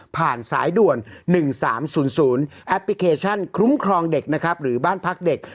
ผ่านสายด่วน๑๓๐๐แอปพลิเคชันคลุ้มครองเด็กหรือบ้านพักเด็ก